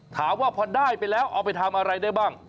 ถามว่าพอได้ไปแล้วเอาไปทำอะไรได้บ้าง